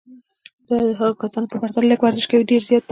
دا د هغو کسانو په پرتله چې لږ ورزش کوي ډېر زیات دی.